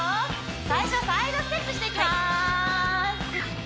最初サイドステップしていきます